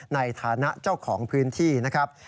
ในฐานะเจ้าของพื้นที่นะครับ